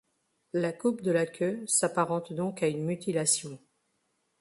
La coupe de la queue s'apparente donc à une mutilation.